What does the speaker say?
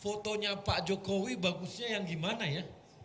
fotonya pak jokowi bagusnya yang gimana ya